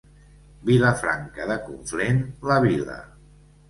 Vilafranca de Conflent, la vila.